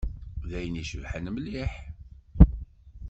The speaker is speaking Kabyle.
D ayen icebḥen mliḥ.